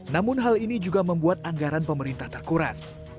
namun hal ini juga membuat anggaran pemerintah terkuras